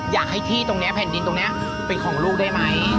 อยากให้ที่ตรงนี้แผ่นดินตรงนี้เป็นของลูกได้ไหม